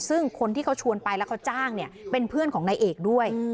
ซึ่งคนที่เขาชวนไปแล้วเขาจ้างเนี่ยเป็นเพื่อนของนายเอกด้วย